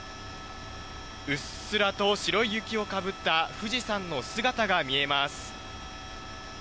うっすらと白い雪をかぶった富士山の姿が見えます。